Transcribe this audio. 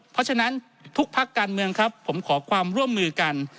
เพราะฉะนั้นทุกพักการเมืองครับผมขอความร่วมมือกัน